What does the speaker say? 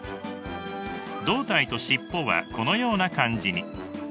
胴体と尻尾はこのような感じに。